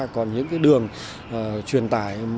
còn những đường truyền tài